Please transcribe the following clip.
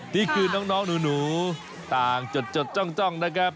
นี่คือน้องหนูต่างจดจ้องนะครับ